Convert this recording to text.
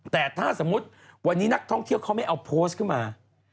แต่ถ้าสมมุติวันนี้นักท่องเที่ยวเขาไม่เอาโพสต์ขึ้นมา